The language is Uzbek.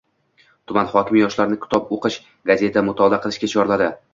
Tuman hokimi yoshlarni kitob o‘qish, gazeta mutolaa qilishga chorladi